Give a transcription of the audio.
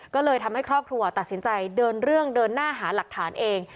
ก็เลยทำให้ครอบครัวตัดสินใจเดินเรื่องเดินหน้าหาหลักฐานเอง